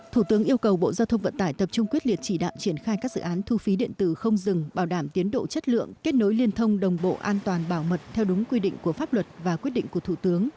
thủ tướng yêu cầu bộ giao thông vận tải tập trung quyết liệt chỉ đạo triển khai các dự án thu phí điện tử không dừng bảo đảm tiến độ chất lượng kết nối liên thông đồng bộ an toàn bảo mật theo đúng quy định của pháp luật và quyết định của thủ tướng